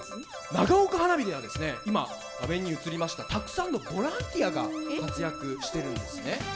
長岡花火では今画面に映りましたたくさんのボランティアが活躍しているんですね。